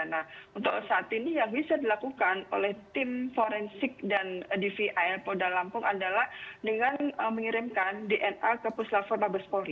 nah untuk saat ini yang bisa dilakukan oleh tim forensik dan dvi polda lampung adalah dengan mengirimkan dna ke puslafor mabes polri